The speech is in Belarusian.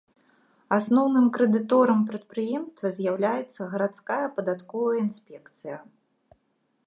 Асноўным крэдыторам прадпрыемства з'яўляецца гарадская падатковая інспекцыя.